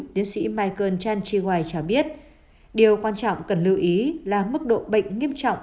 tiến sĩ michael chan chiwaii cho biết điều quan trọng cần lưu ý là mức độ bệnh nghiêm trọng